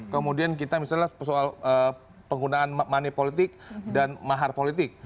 kemudian kita misalnya soal penggunaan money politik dan mahar politik